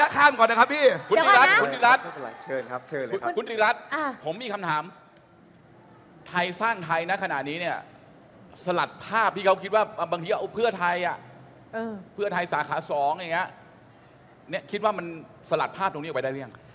คำถามไทยสร้างไทยนะขณะนี้เนี่ยสลัดภาพที่เขาคิดว่าบางทีเอาเพื่อไทยเพื่อไทยสาขาสองอย่างนี้คิดว่ามันสลัดภาพตรงนี้ออกไปได้หรือยัง